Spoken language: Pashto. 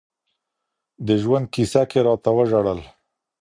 د ژوند كيسه كي راتـه وژړل